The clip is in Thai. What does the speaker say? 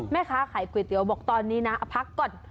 แม่ค้าขายก๋วยเตี๋ยวบอกตอนนี้นะพักก่อน